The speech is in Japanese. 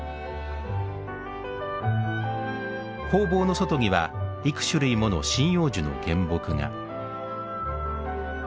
工房の外には幾種類もの針葉樹の原木が。